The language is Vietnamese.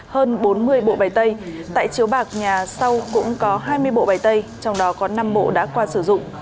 hơn bốn mươi bộ bày tay tại chiếu bạc nhà sau cũng có hai mươi bộ bài tây trong đó có năm bộ đã qua sử dụng